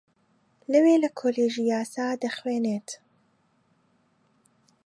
لەوێ لە کۆلێژی یاسا دەخوێنێت